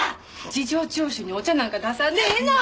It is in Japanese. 事情聴取にお茶なんか出さんでええの！